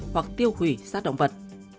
hoặc tiêu hủy sát động vật